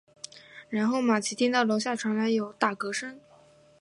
然后玛琦听到楼下传来有打嗝声。